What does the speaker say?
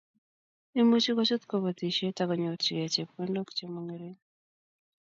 Imuchi kochut kobotisiet akonyorchikei chepkondok che mongering